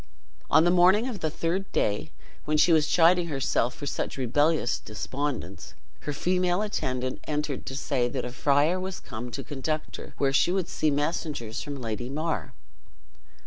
On the morning of the third day, when she was chiding herself for such rebellious despondence, her female attendant entered to say, that a friar was come to conduct her where she would see messengers from Lady mar.